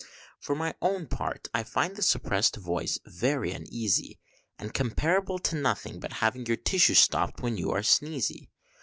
For my own part I find my suppressed voice very uneasy, And comparable to nothing but having your tissue stopt when you are sneezy.